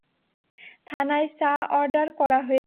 থানায় চা অর্ডার করা হয়েছে।